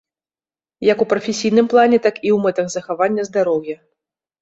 Як у прафесійным плане, так і ў мэтах захавання здароўя.